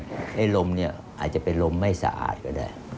ไอ้ลมเนี่ยอาจจะเป็นลมไม่สะอาดก็ได้